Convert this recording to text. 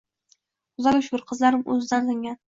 Xudoga shukur, qizlarim o‘zidan tingan.